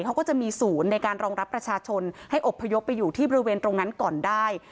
เขาก็จะมีศูนย์ในการรองรับประชาชนให้อบพยพไปอยู่ที่บริเวณตรงนั้นก่อนได้